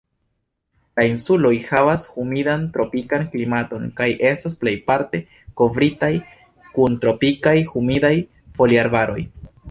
La insuloj havas humidan tropikan klimaton, kaj estas plejparte kovritaj kun tropikaj humidaj foliarbaroj.